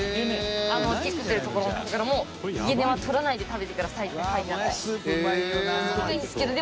チェックしてるところの方からも「ヒゲ根は取らないで食べてください」って書いてあって。